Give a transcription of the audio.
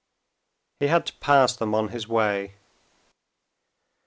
He had to pass them on his way.